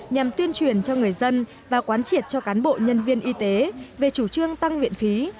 nhằm tuyên truyền cho người dân và quán triệt cho cán bộ nhân viên y tế về chủ trương tăng viện phí